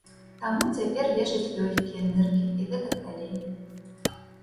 Таму цяпер лечаць лёгкія, ныркі і гэтак далей.